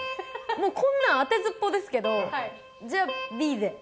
もうこんなん、当てずっぽうですけど、じゃあ、Ｂで。